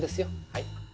はい。